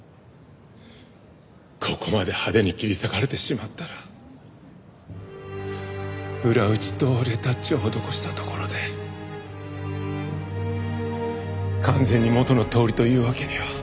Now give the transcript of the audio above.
ここまで派手に切り裂かれてしまったら裏打ちとレタッチを施したところで完全に元のとおりというわけには。